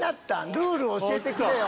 ルールを教えてくれよ